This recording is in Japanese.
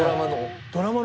ドラマの？